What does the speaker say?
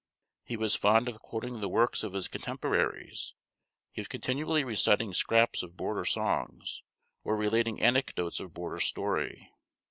He was fond of quoting the works of his contemporaries; he was continually reciting scraps of border songs, or relating anecdotes of border story.